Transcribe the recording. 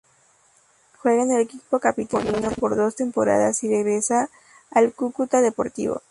Juega en el equipo capitalino por dos temporadas y regresa al Cúcuta Deportivo.